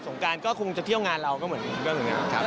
สงการก็คงจะเที่ยวงานเราก็เหมือนกันนะครับ